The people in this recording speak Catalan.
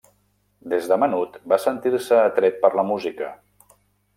Des de menut va sentir-se atret per la música.